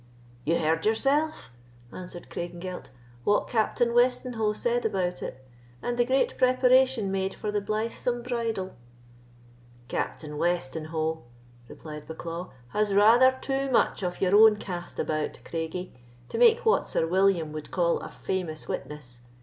"You heard yourself," answered Craigengelt, "what Captain Westenho said about it, and the great preparation made for their blythesome bridal." "Captain Westenho," replied Bucklaw, "has rather too much of your own cast about, Craigie, to make what Sir William would call a 'famous witness.